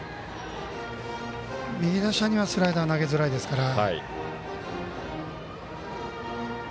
右打者にはスライダー投げづらいですから。